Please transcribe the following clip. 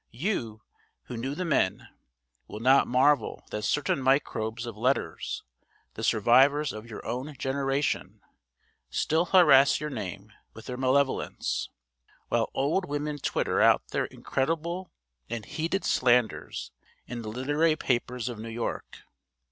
You, who knew the men, will not marvel that certain microbes of letters, the survivors of your own generation, still harass your name with their malevolence, while old women twitter out their incredible and heeded slanders in the literary papers of New York.